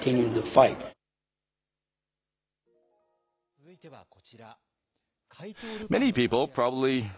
続いてはこちら。